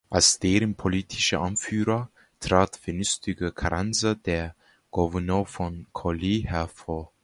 Als deren politischer Anführer trat Venustiano Carranza, der Gouverneur von Coahuila, hervor.